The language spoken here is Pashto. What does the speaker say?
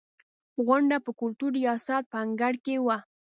غونډه په کلتور ریاست په انګړ کې وه.